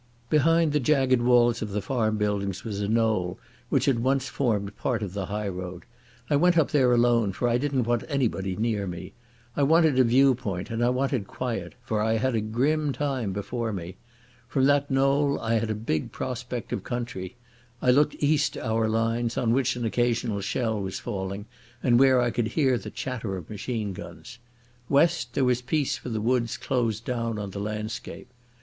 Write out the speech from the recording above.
Behind the jagged walls of the farm buildings was a knoll which had once formed part of the high road. I went up there alone, for I didn't want anybody near me. I wanted a viewpoint, and I wanted quiet, for I had a grim time before me. From that knoll I had a big prospect of country. I looked east to our lines on which an occasional shell was falling, and where I could hear the chatter of machine guns. West there was peace for the woods closed down on the landscape.